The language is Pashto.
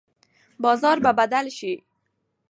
بازار به بدل شي.